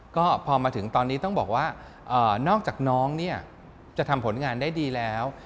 ก็พอมาถึงตอนนี้ต้องบอกว่านอกจากน้องเนี่ยจะทำผลงานได้ดีแล้ว